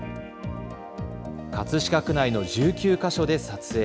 葛飾区内の１９か所で撮影。